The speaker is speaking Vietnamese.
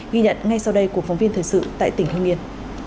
ghi nhận ngay sau đây của phóng viên thời sự tại tỉnh hưng yên